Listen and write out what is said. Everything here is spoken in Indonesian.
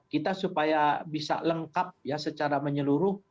kita supaya bisa lengkap ya secara menyeluruh